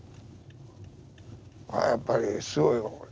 ああやっぱりすごいよこれ。